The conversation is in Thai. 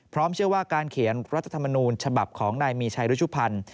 เชื่อว่าการเขียนรัฐธรรมนูญฉบับของนายมีชัยรุชุพันธ์